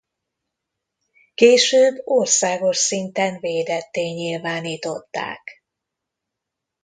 Később országos szinten védetté nyilvánították.